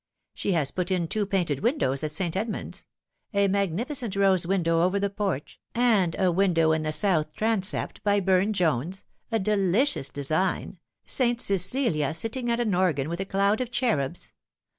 She has put in two painted windows at St. Edmund's ; a magnificent rose window over the porch, and a window in tho south transept by Burne Jones a delicious design St. Cecilia sitting at an organ, with a cloud of cherubs.